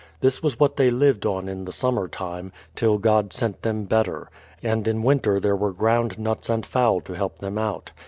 This was what they lived on in the summer time, till God sent them better; and in winter there were ground nuts and fowl to help them out.